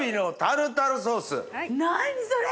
何それ！